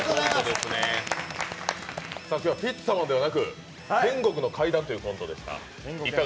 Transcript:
今日は「ピッツァマン」ではなく「天国の階段」というコントでした